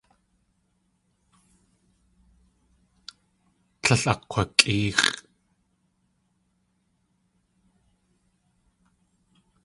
Tlél akg̲wakʼéex̲ʼ.